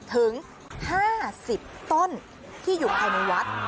ถึง๕๐ต้นที่อยู่ภายในวัด